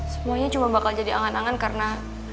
semuanya cuma bakal jadi angan angan karena